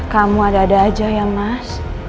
kamu ada ada aja ya mas